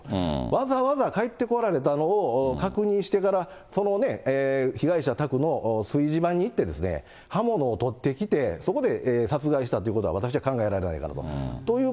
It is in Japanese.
わざわざ帰ってこられたのを確認してから、その被害者宅の炊事場に行って、刃物を取ってきて、そこで殺害したということは私は考えられないかなと思う。